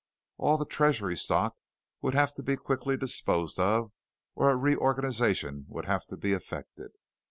All the treasury stock would have to be quickly disposed of, or a reorganization would have to be effected.